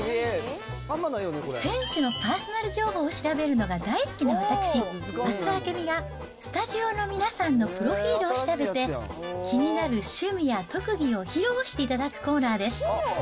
選手のパーソナル情報を調べるのが大好きな私、増田明美がスタジオの皆さんのプロフィールを調べて、気になる趣味や特技を披露していただくコーナーです。